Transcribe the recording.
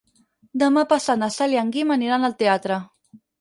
Demà passat na Cel i en Guim aniran al teatre.